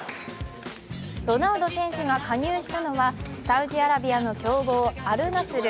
ロナウド選手が加入したのはサウジアラビアの強豪・アル・ナスル。